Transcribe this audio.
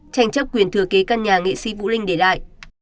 tranh chấp quyền thừa kế căn nhà nghệ sĩ vũ linh để lại